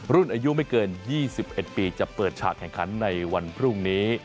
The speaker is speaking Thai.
รุ่นอายุไม่เกิน๒๑ปีจะเปิดฉากแข่งขันในวันพรุ่งนี้